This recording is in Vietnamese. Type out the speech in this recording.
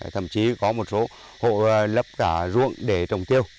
thậm chí có một số hộ lấp cả ruộng để trồng tiêu